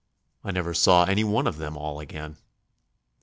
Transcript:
I never saw any one of them all again.